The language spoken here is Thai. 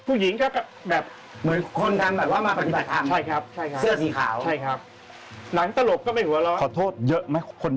ผู้หญิงก็แบบเหมือนคนทำแบบว่ามาปฏิบัติธรรมเสื้อสีขาว